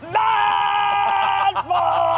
นานพอ